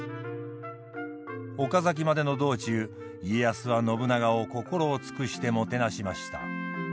岡崎までの道中家康は信長を心を尽くしてもてなしました。